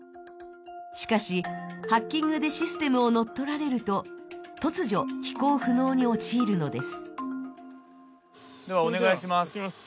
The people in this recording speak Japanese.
しかし、ハッキングでシステムを乗っ取られると、突如、飛行不能に陥るのです。